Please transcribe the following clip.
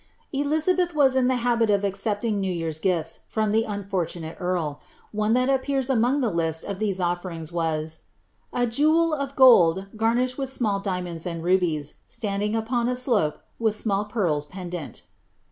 Elizabeth was in the habit of accepting new years' gifts from the unfortunate earl. One that appears among tlie list of these ofierings was, ^ a jewel of gold garnished with small diamonds and rubies, stand ing upon a slope, with small pearls pendent."'